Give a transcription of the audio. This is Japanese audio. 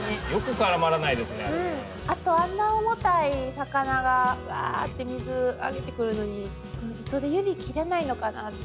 あとあんな重たい魚がバーッって水上がってくるのに糸で指切らないのかなって。